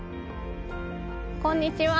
こんにちは。